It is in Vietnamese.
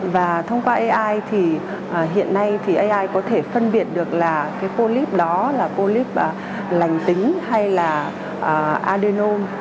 và thông qua ai thì hiện nay thì ai có thể phân biệt được là cái polyp đó là polyp lành tính hay là adenom